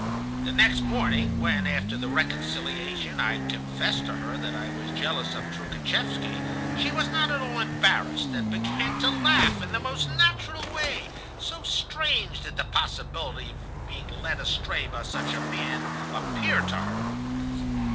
The next morning, when, after the reconciliation, I confessed to her that I was jealous of Troukhatchevsky, she was not at all embarrassed, and began to laugh in the most natural way, so strange did the possibility of being led astray by such a man appear to her.